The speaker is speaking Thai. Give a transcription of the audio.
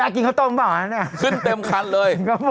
ขึ้นเต็มคันเลย